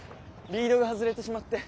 リードが外れてしまって。